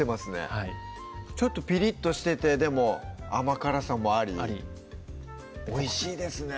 はいちょっとピリッとしててでも甘辛さもありおいしいですね